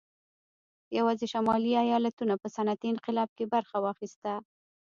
یوازې شمالي ایالتونو په صنعتي انقلاب کې برخه واخیسته